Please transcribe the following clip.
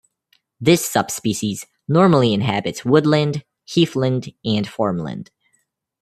This subspecies normally inhabits woodland, heathland and farmland.